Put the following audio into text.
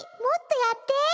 もっとやって！